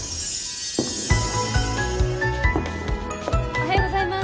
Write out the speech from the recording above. おはようございます。